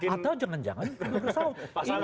atau jangan jangan berbebas